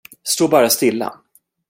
Stå bara stilla.